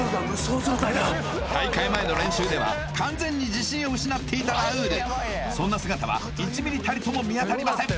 大会前の練習では完全に自信を失っていたラウールそんな姿は１ミリたりとも見当たりません